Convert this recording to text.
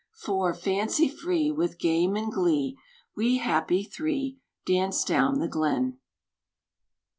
For, fancy free, With game and glee, We happy three Dance down the glen.